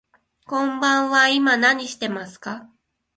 こんばんは、今何してますか。